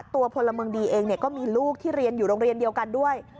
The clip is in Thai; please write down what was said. ตัวพลเมืองดีเองก็มีลูกที่เรียนอยู่โรงเรียนเดียวกันด้วย